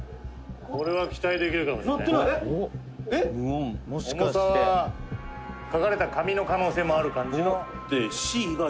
「これは期待できるかもしれない」「鳴ってない」「重さは書かれた紙の可能性もある感じの」